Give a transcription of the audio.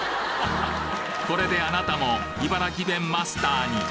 これであなたも茨城弁マスターに。